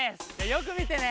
よくみてね！